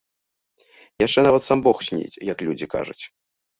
Яшчэ нават сам бог сніць, як людзі кажуць.